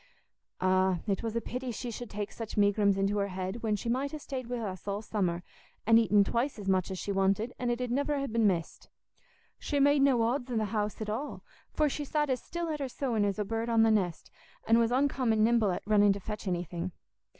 "Ah, it was a pity she should take such megrims into her head, when she might ha' stayed wi' us all summer, and eaten twice as much as she wanted, and it 'ud niver ha' been missed. She made no odds in th' house at all, for she sat as still at her sewing as a bird on the nest, and was uncommon nimble at running to fetch anything.